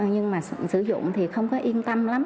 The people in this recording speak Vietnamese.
nhưng mà sử dụng thì không có yên tâm lắm